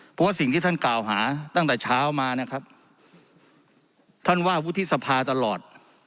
เพราะว่าสิ่งที่ท่านกล่าวหาตั้งแต่เช้ามานะครับท่านว่าวุฒิสภาตลอด